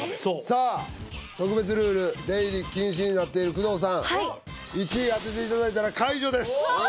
さあ特別ルール出入り禁止になっている工藤さんはい１位当てていただいたら解除ですおお！